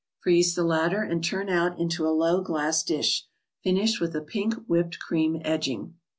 Freeze the latter and turn out into a low glass dish. Finish with a pink whipped cream edging.